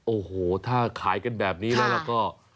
โอ้โหถ้าขายกันแบบนี้แล้วก็